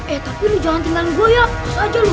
eh tapi lu jangan tinggalin gua ya kasar aja lu